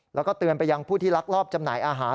แล้วก็เตือนไปยังผู้ที่ลักลอบจำหน่ายอาหาร